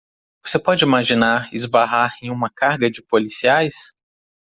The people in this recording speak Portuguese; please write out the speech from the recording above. Você pode imaginar esbarrar em uma carga de policiais?